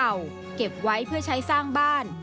ที่มีไม้เก่าเก็บไว้เพื่อใช้สร้างบ้าน